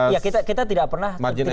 ya kita tidak pernah bersyukur ya